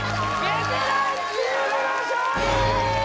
ベテランチームの勝利！